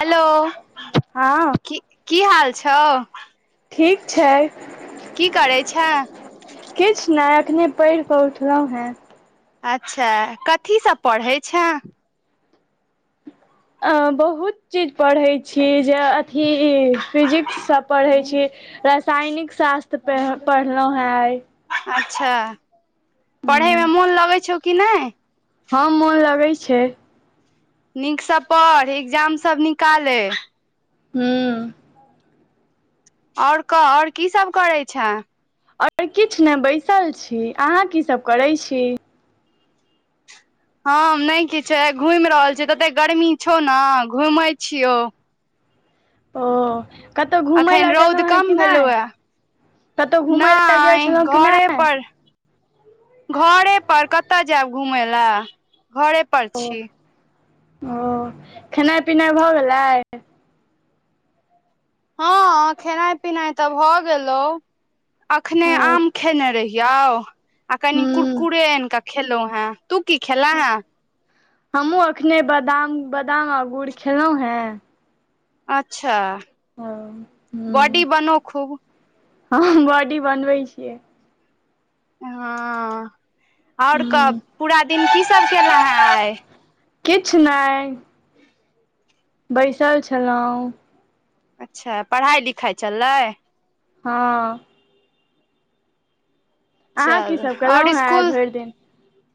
Hello [unintelligible] हँ की की हाल छौ ठीक छै की करै छ किछ नाए अखने पढ़ि कऽ उठलहुं है अच्छा कथी सँ पढ़ैत छे अ बहुत चीज पढ़ैत छि जे अथी फिजिक्स सँ पढ़ैत छि रसायनिक शास्त्र प पढ़लहु हैं आए अच्छा पढ़ै मे ह मोन लगै छौ कि नाए हँ मोन लगै छै नीक सँ पढ़ एग्जाम सब निकाले [inaudible] और कह और की सभ करै छै और किछ नाए बैसल छि अहाँ कीसभ करैत छी हम नहि किछ घूम रहल छी तते गर्मी छौ ने घूमें छियौ ओ कतहु घूम लए अखन गेलहुँ रौद है कि कम नाए भेलौ ये कतहु घूमय लए गेल नहि छलहुँ कि घरे नाए पर घरे पर कतय जायब घूमे ल घरे पर ओ अछि ओ खेनाइ पिनाइ भऽ गेलै हँ खेनाइ पिनाइ तऽ भए गेलो अखने आम खेने रहि यउ आ कनि ह कुरकुरे आन कऽ खेलो है तू की खेला हैं हम हुँ अखने बादाम बादाम आ गुड़ खेलहुॅं है अच्छा [unintelligible] बॉडी ह बनो खूब हँ बॉडी बनबै छियै हँ और कह ह पूरा दिन की सब केल है आए किछ नाए बैसल छलै अच्छ पढ़ाइ लिखाइ चललै हँ अहाँ की चल सब केलहुँ और हेँ आइ स्कूल भरि दिन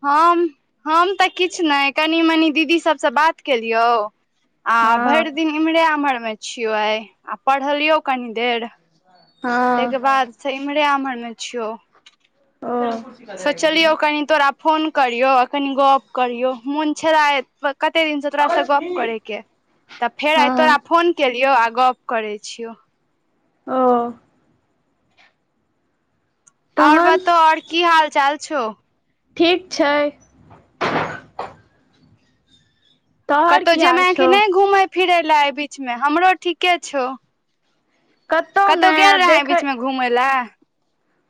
हम हम तऽ किछु नाए कनि मनी दीदी सबसँ बात केलियौ आ हँ भरि दिन इम्हरे उम्हर में छियो आ पढ़लियों कनि देर तै के हँ बाद से इम्हरे आम्हर मे छियौ [inaudible] सोचलियौ कनि तोरा फोन करियौ आ कनि गप करियौ मोन छैला कते दिन छ तोराासँ गप करे के तऽ फेर आए हँ तोरा फोन केलियो आ गप करै छियौ ओ और तहन बतऔ और की हाल चाल छौ ठीक छै तोहर कतहु की हाल जेमे कि छौ नाए घूमै फिरै लए एहि बीचमे हमरो ठीके छौ कतहु नहि आ गेल रहै ए बीचमे घूमए लए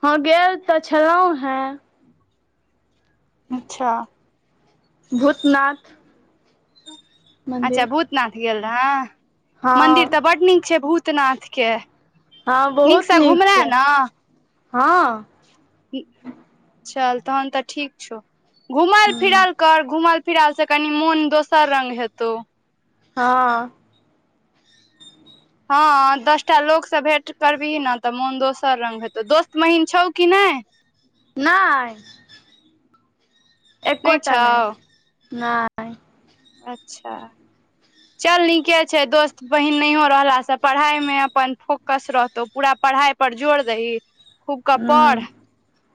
ह गेल तऽ छलहुँं है अच्छा। भूतनाथ। अच्छा मन्दिर भूतनाथ गेल रहे मंन्दिर हँ तऽ बड़ निक छै, भूतनाथके। हँ नीक बहुत सँ नीक घुमलै छै न। हँ। चल तहन तऽ ठीक छै, घुमल ह फिराल। घुमलै फिरालसे कनि मोन दोसर रंग हेतौ। हँ। हँ, दसटा लोको सँ भेंट करबही ने तऽ मोन दोसर रंग हेतौ दोस्त महीन छौ कि नहि। नहि। एकोटा नहि न। अच्छा। चल नीके छै, दोस्त बहिन नहियो रहलासँ पढ़ाईमे अपन फोकस रहतौ पूरा। पढ़ाई पर जोर दाहि। खूबके ह पढ़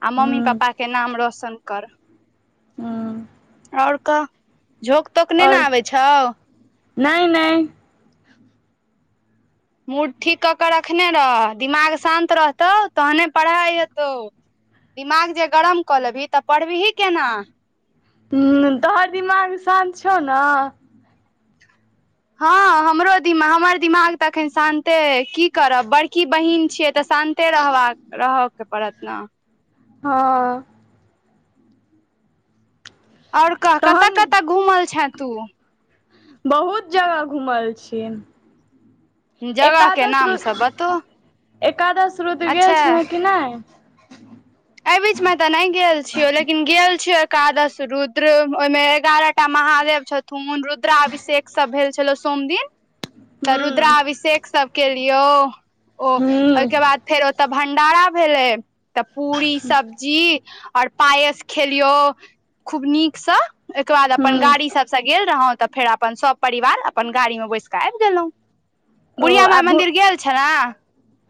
आ मम्मी ह पापाके नाम रोशन कर। हँ। आओर कह झोक तोक नहि ने आओर आबै छौ। नहि, नहि। मूड ठीक कऽ कऽ रखने रह दिमाग शान्त रहतौ तहने पढ़ाई हेतौ। दिमाग जे गरम कऽ लेबही तऽ पढ़बही केना। हू, तोहर दिमाग शान्त छौ न। हँ, हमरो दिम हमर दिमाग तऽ अखन शान्ते की करब बड़की बहीन छियै। तऽ शान्ते रहबा कऽ रहऽ के पड़त ने। हँ। आओर कह कतऽ तहन कतऽ घूमल छै तू। बहुत जगह घुमल छिये। जगह के नाम सब बतो एकादश रुद्र गेल अच्छा छल कि नहि। एहि बीचमे तऽ नहि गेल छियऔ लेकिन गेल छियौ एकादश रुद्र ओहिमे एगारहटा महादेव छथि। थून रुद्राभिषेक सभ भेल छलो सोमदिन। तऽ ह रुद्रा अभिषेक सभ केलियौ ओ ओहिके ह बाद। फेर ओतऽ भंडारा भेलै। तऽ पूरी सब्जी और पायस खेलियौ खूब निक सँ। ओहिके बाद ह अपन गाड़ी सभसँ गेल रहौं तऽ फेर अपन सभ परिवार अपन गाड़ीमे बैस कऽ आबि गेलहुँ। बुढ़िया बाई मन्दिर गेल छलऽ ने।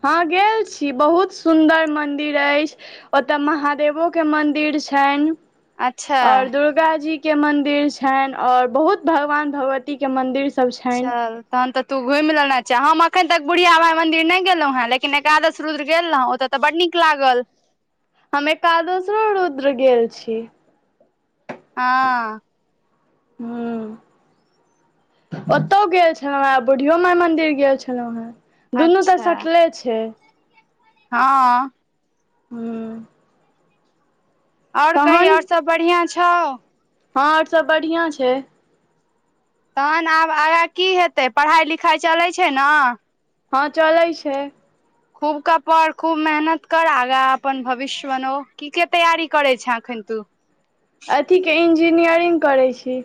ह, गेल छै बहुत सुदर मंदिर अछि। ओतय महादेवोके मन्दिर छै। अच्छा ओर दुर्गजीके मंन्दिर छै आऔर बहुत भगवान भगवती के मंदिर सभ छैन। चल तहन तऽ तू घुमि लेने छै हम एखन तक बुढ़िया बाई मन्दिर नहि गेलहु हे लेकिन एकादश रुद्र गेल रहौ ओत तऽ बड्ड निक लागल। हम एकादश रुद्र गेल छी। हँ। हू। ओतौ गेल छलौ हे बुढ़ियो बाई मंदिर गेल छलौ हे दुनू तऽ अच्छा सटले छै। हँ। हूँ आओर कही आओर सब बढ़ियां छौ हँं आओर सब बढ़िआं छै तहन आब आगाँ की हेतै पढ़ाइ लिखाई चलै छै न हँ चलै छै खूब क पर खूब मेहनत कर आगा अपन भविष्य बनाउ की के तैयारी करे छे एखन तू अथीके इंजीनियरिंग करै छी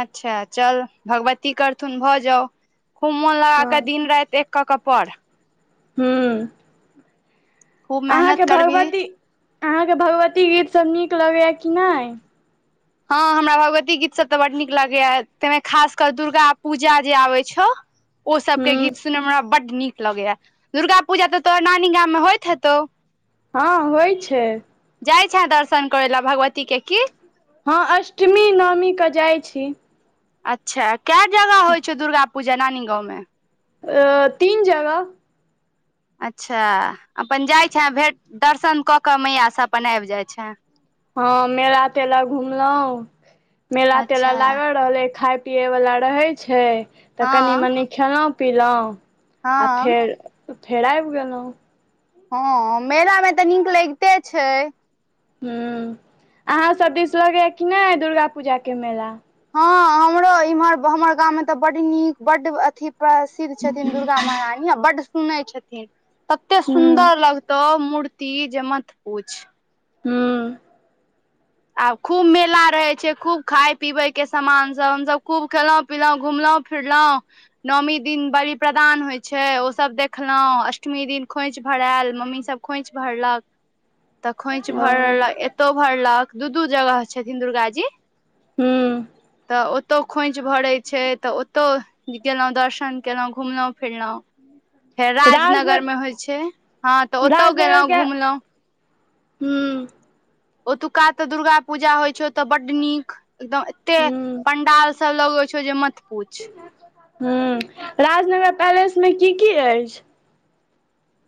अच्छा चल भगवती करथुन भऽ जाउ खूब मोन हँ लगाकऽ दिन राति एक कऽ कऽ पढ़ हू खूब अहाँके मेहनत करबिही भगवती अहाँके भगवती गीत सब नीक लगैया कि नहि हँ हमरा भगवती गीतसभ तऽ बड नीक लागैए ताहिमे खास क दुर्गा पूजा जे आबैत छौ ओ सबके हूँ गीत सुनयमे हमरा बड्ड नीक लगैया दुर्गा पूजा तऽ तोरा नानी गाममे होयत हेतौ हँ होय छै जाय छ‌ए दर्शन करै ल भगवती के की हँ अष्टमी नवमी के जाय छी अच्छा कए जगह होय छौ दुर्गा पूजा नानी गाँवमे अ तीन जगह अच्छा अपन जाइत छँ भेँट दर्शन कऽ कऽ मैयासँ अपन आबि जाइत छ‌एं हँ मेला तेला घुमलहुं मेला तेला अच्छा लागल रहले खाय पियैवला रहै छै तऽ कनि हँ मनी खेलहुँ पिलहुँ आ हँ फेर तऽ फेड़ आबि गेलौ हँ मेला मे तऽ नीक लगिते छै ह अहाँ सब दिसलगैया कि नहि दुर्गा पूजाके मेला हँ हमरो इम्हर हमर गाममे तऽ बड नीक बड्ड अथी प्रसिद्ध छथिन दुर्गा महरानी आ बड्ड सुनै छथिन तते हूँ सुन्दर लगतौ मूर्ति जे मत पूछ हँ आब खूब मेला रहै छै खूब खाय पीबे के सामान सब हमसभ खूब खेलौं पिलौ घुमलौ फिरलौ नौमी दिन बली प्रदान होय छै ओ सब देखलौ अष्टमी दिन खोंइछ भरायल मम्मी सब खोंईछ भरलक तऽ खोंईछ ओ भरलक एतो भरलक दू दू जगह छथिन दुर्गा जी हूँ तऽ ओतौ खोंच भरै छै तऽ ओतौ गेलौ दर्शन गेलौ घुमलौ फिरलौ फेर राजनगर राजनग मे होय छै हँ तऽ ओतौ गेलौ घुमलौ हु ओतुका तऽ दुर्गा पूजा होय छै ओ तऽ बड्ड नीक एकदम एते हूँ पंडाल सब लगै छौ जे मत पुछ ह राजनगर पैलेस मे की की अछि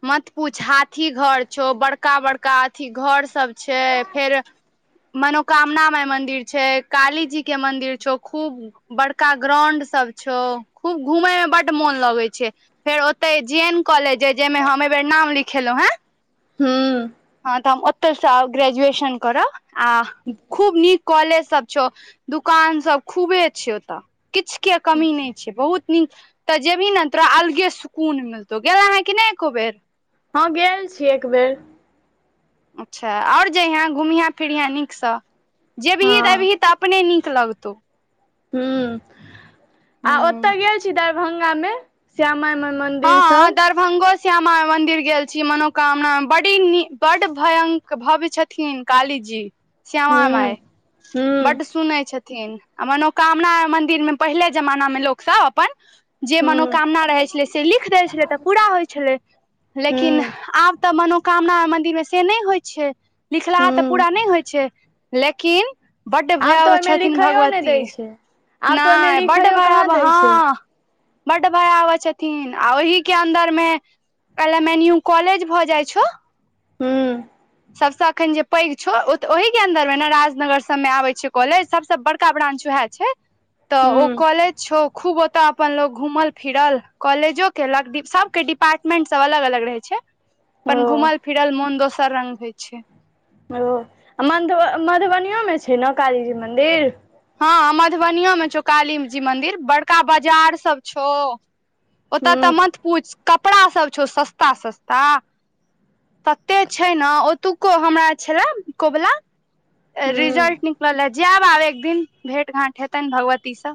मत पूछ हाथी घर छौ बड़का बड़का अथी घर सब छै फेर मनोकामना माय मंदिर छै काली जी के मंदिर छौ खूब बड़का ग्राउंड सब छौ खूब घूमैय में बड मोन लगै छै फेर ओते जी एन कॉलेज जाहिमे हम एहि बेर नाम लिखेलौ हे हूँ हँ तऽ हम ओतऽ सँ आउ ग्रेजुएशन करऽ आ खूब नीक काॅलेज सँ च दुकान सब खूबे छै ओतऽ किछ के कमी नहि छै बहुत तऽ जेबही ने तोरा अलगे सुकून मिलतौ गेलै हें कि नहि एको बेर हँ गेल छी एक बेर अच्छा और जैहें घूमिहे फिरहें नीकसँ जेबही हँ तेबही तऽ अपने नीक लगतौ हूंम्म आ हूँ ओतय गेल छी दरभंगामे श्यामा माइ मंदिर हँ सब दरभंगो श्यामा मंदिर गेल छी मनोकामना मंदिर बड़ी बड्ड भयंक भव्य छथि छथिन काली जी श्यामा माय हूँ हूँ बड्ड सुनै छियै। थिन आ मनोकामना मन्दिरमे पहिले जमानामे लोकसभ अपन जे हूँ मनोकामना रहै छलै से लिख दै छलै तऽ पूरा होइ छलै लेकिन हूँ आब तऽ मनोकामना मन्दिरमे से नहि होइ छै लिखलाहा तऽ पूरा हूँ नहि होइ छै लेकिन बड्ड आब तऽ भव्य ओहिमे छथिन लिखैयो नहि भगवती दै छै आब तऽ ओहिमे नहि बड्ड लिखैयो कहाँ भयाबह दै छै हँ बड्ड भयावह छथिन आ ओहि के अन्दर मे L M N U college भऽ जाइ छौ हूंम्म सबसँ अखन जे पैघ छौ ओ ओहि के अंन्दर मे ने राजनगर सब मे आबे छै कॉलेज सबसे बड़का ब्रांच वएह छै तऽ ओ हूँ काॅलेज छौ खूब ओतऽ अपन लोग घूमल फिरल कॉलेजो केेलक सब के डिपार्मेंट सब अलग अलग रहै छै ओ अपन घूमल फिरल मोन दोसर रंग होइ छै ओ मधुबन मधुबनि मे छै ने कालीजी मन्दिर हँ मधुबनियों मे छौ काली जी मंदिर बड़का बाजार सब छौ ओतऽ हूँ तऽ मत पूछ कपड़ा सब छौ सस्ता सस्ता तते छै ने ओतुक्को हमरा छलए कबुला हूँ रिजल्ट निकलल ह जायब आब एक दिन भेट घाँट हेतनि भगवतीसँ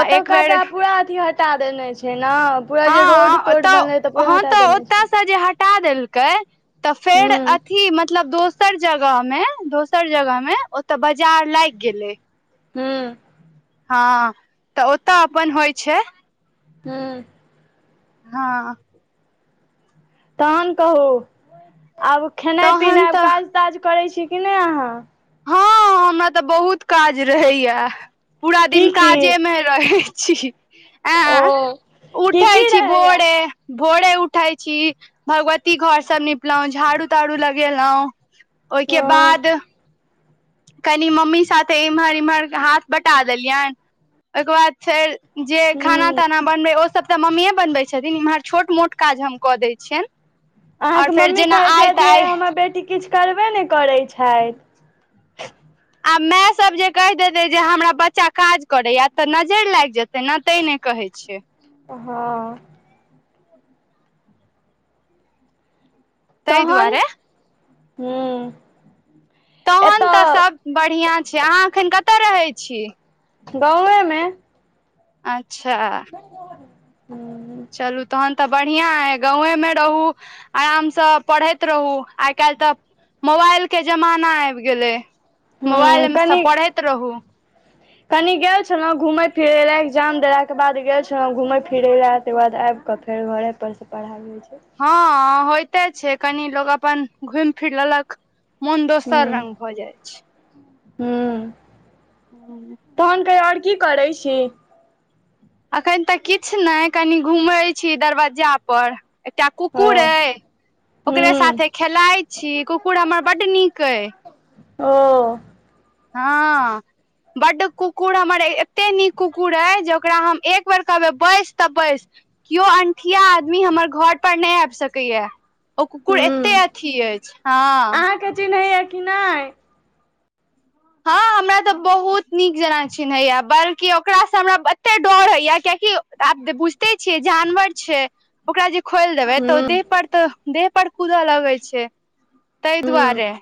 ओतौका तऽ पूरा अथी हटा देने छै ने पूरा जे रोड हँ तोड तऽ बनलै पूरा हँ हटा तऽ देने ओतय छै से जे हटा हटा देलकै तऽ फेर हूँ अथी मतलब दोस दोसर जगह मे दोसर जगह मे ओत बजार लागि गेलै हूंम्म हँ तऽ ओतऽ अपन होइ छै हूंम्म हँ तहन कहू आब खेनाइ तहन पिनाइ तऽ काज ताज करै छी कि नहि अहाँ हँ हमरा तऽ बहुत काज रहैये पूरा की दिन की काजे मे रहै छी ओ ऐँ की उठै की छी रहैया भोरे भोरे उठै छी भगवती घर सब निपलौं झाड़ू ताड़ू लगेलौं ओहिके हँ बाद कनि मम्मी साथे इम्हर इम्हर हाथ बटा देलियनि ओहिके बाद फेर जे खाना हूँ ताना बनबै ओसभ तऽ मम्मीए बनबै छथिन इम्हर छोट मोट काज हम कऽ दै छियनि अहाँके आओर फेर मम्मी जेना कहैत आइ छै जे तऽ आइ हमर बेटी किछु करबे नै करै छैथ आ माय सब जे कहि देतै जे हमरा बच्चा काज करैये तऽ नजैर लागि जेतै ने तैं नै कहै छै हँ ताहि तहन दुआरे हू तहन तऽ सभ बढ़िआँ छै अहाँ अखन कतय रहै छी गाँवेमे अच्छा [inaudible] हूँ चलू तहन तऽ बढ़िआँ अए गावेमे रहू आरामसँ पढ़ैत रहू आइ काल्हि तऽ मोबाइल के जमाना आबि गेलै हूँ मोबाइलसँ पढ़ैत रहू कनी गेल छलौ घूमेय फिरे ले एग्जाम देला ओके बाद गेल छलौ घूमय फिरे ले तकर बाद आब त फेर घरेपरसँ पढ़ाइ होइ छै हँ होयइते छै कनि लोकोग अपन घुमि फिर लेलक मन दोसर रंग भऽ जाइ छै हू हू तखन कहियो ओर की करै छी एखन तऽ किछ नै कनि घूमै छी दरवज्जा परर एकटा हँ कुकुर अई ओकरे हूँ साथे खेलााय छी कुकुर हमर बड्ड नीक अई ओ हँ बड कुकुर हमर एते नीक कुकुर यय जे ओकरा हम एक बेर कहबै बैस तऽ बैस कियो अंठिया आदमी हमर घर पर नहि आब सकैया ओ कुकुर एत्ते अथी अछि हँ आहा के चिनहि ये कि नै हँ हम रा बहुत नीक जेना चिन्हैया बल्कि ओकरास हमरा एते डर होइया कियाकि आबुझ ते छियै जानवर छै ओकरा जे खोइल देबै तऽ ओ हूँ देह पर तऽ देह पर कूदऽ लगै छै तय दुआरे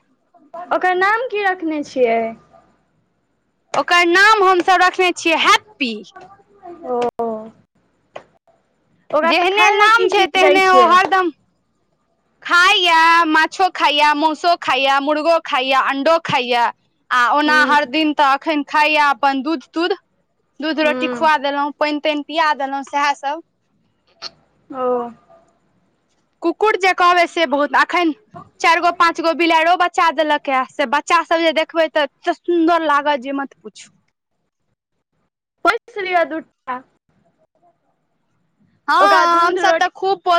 ओकरा नाम की रखने छियै ओकर नाम हमसभ रखने छियै हैप्पी ओ ओकरा जेहने खाय लए नाम की छै की दै तेहने ओ छियै हरदम खाइया माछो खाइया मौसो खाइया मुर्गो खाइया अं्डो खाइया आ ओना हूँ हर दिन तऽ अखन खाइया अपन दूध तूध दूध रोटी हूँ खुआ देलहुँ पैन तैन पिया देलहुँ सएहसभ ओ कुकुर जे कहबै से बहुत अखन चारि गो पाच गो बिलैरो बचा देलक के से बच्चा सब जे देखबै तऽ [unintelligible] सुन्दर लागत जे मत पुछू [unintelligible] ओकरा हँ दूध हमस रोटी तऽ खूब पोस